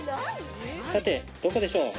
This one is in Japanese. さてどこでしょう？